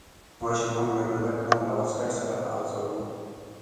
ماشوم له ډولک نه له واسکټ سره په عذاب و.